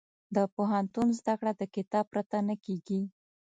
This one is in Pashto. د پوهنتون زده کړه د کتاب پرته نه کېږي.